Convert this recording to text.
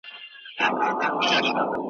په خپلو کړو به ګاونډي ویاړی .